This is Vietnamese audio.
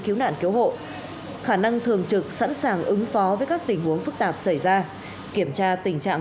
cứu nạn cứu hộ khả năng thường trực sẵn sàng ứng phó với các tình huống phức tạp xảy ra kiểm tra tình trạng